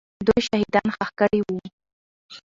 دوی شهیدان ښخ کړي وو.